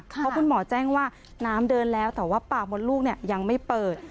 เพราะคุณหมอแจ้งว่าน้ำเดินแล้วแต่ว่าปากมดลูกยังไม่เปิด